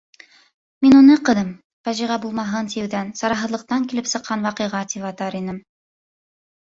Мин уны, ҡыҙым, фажиғә булмаһын тиеүҙән, сараһыҙлыҡтан килеп сыҡҡан ваҡиға, тип атар инем...